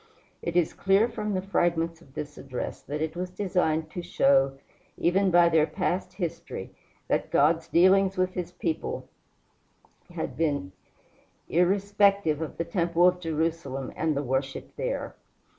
It is clear from the fragment of this address that it was designed to show, even by their past history, that God's dealings with his people had been irrespective of the temple of Jerusalem and the worship there.